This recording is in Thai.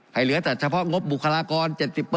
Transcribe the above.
เหลือแต่เฉพาะงบบุคลากร๗๐